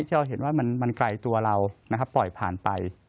เราเห็นว่ามันไกลตัวเรานะครับปล่อยผ่านไป